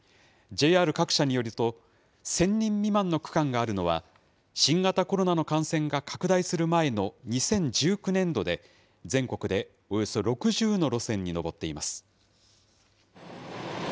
ＪＲ各社によると、１０００人未満の区間があるのは、新型コロナの感染が拡大する前の２０１９年度で、全国でおよそ６０の路線に上っています。